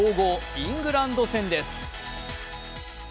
イングランド戦です。